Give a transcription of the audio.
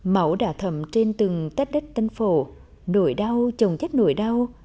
máu đã thầm trên từng tất đất tân phổ nỗi đau chồng chết nỗi đau